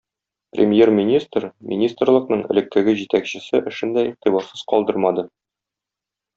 Премьер-министр министрлыкның элеккеге җитәкчесе эшен дә игътибарсыз калдырмады.